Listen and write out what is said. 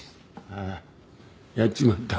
ああやっちまった。